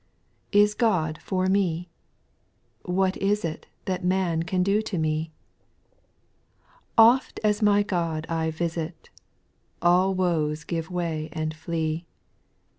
1. TS God for me ? what is it X That man can do to me ?— Oft as my God I visit, All woes give way and flee.